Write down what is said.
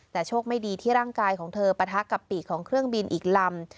แต่โชคไม่ดีที่ร่างกายของเธอปะทะกับปีกของเครื่องบินอีกลำ